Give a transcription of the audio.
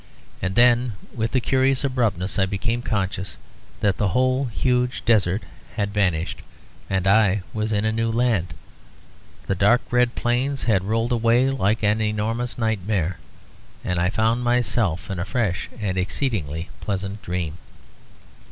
And then with a curious abruptness I became conscious that the whole huge desert had vanished, and I was in a new land. The dark red plains had rolled away like an enormous nightmare; and I found myself in a fresh and exceedingly pleasant dream.